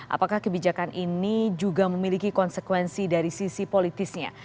apakah kebijakan ini juga memiliki konsekuensi dari sisi politisnya